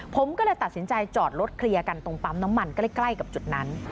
ผมก็เลยตัดสินใจจอดรถเคลียร์กันตรงปั๊มน้ำมันใกล้กับจุดนั้น